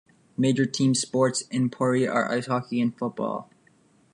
Major team sports in Pori are ice hockey and football.